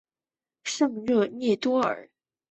圣热涅多尔。